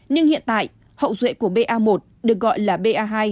nhưng hiện tại hậu duệ của ba một được gọi là ba